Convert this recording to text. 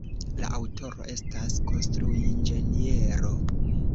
La aŭtoro estas konstruinĝeniero.